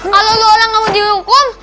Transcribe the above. kalau lu orang gak mau diri hukum